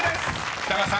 ［北川さん